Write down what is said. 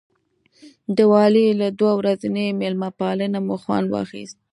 د والي له دوه ورځنۍ مېلمه پالنې مو خوند واخیست.